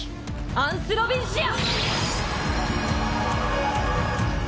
アンスロビンシア！